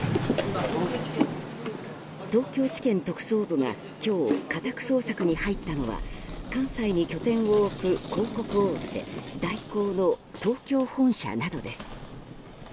東京地検特捜部が今日、家宅捜索に入ったのは関西に拠点を置く広告大手・大広の東京本社などです。